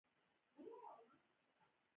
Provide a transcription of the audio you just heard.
د جاني خیل ولسوالۍ غرنۍ ده